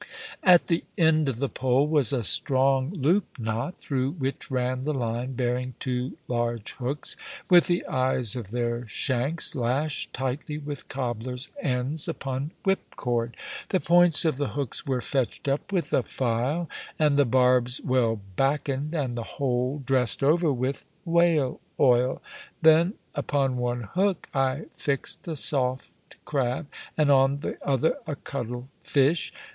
At the end of the pole was a strong loop knot, through which ran the line, bearing two large hooks, with the eyes of their shanks lashed tightly with cobbler's ends upon whipcord. The points of the hooks were fetched up with a file, and the barbs well backened, and the whole dressed over with whale oil. Then upon one hook I fixed a soft crab, and on the other a cuttle fish.